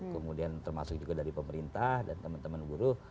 kemudian termasuk juga dari pemerintah dan teman teman buruh